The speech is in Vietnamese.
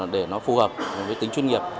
để nó phù hợp với tính chuyên nghiệp